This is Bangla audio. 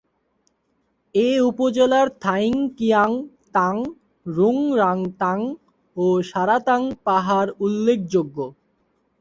এ উপজেলার থাইংকিয়াং তাং, রুংরাং তাং ও সারা তাং পাহাড় উল্লেখযোগ্য।